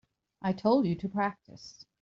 I told you to practice.